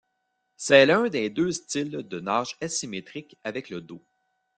C'est l'un des deux styles de nage asymétrique avec le dos.